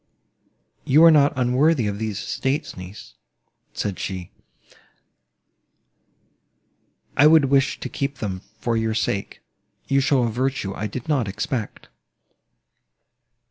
"You are not unworthy of these estates, niece," said she: "I would wish to keep them for your sake—you show a virtue I did not expect."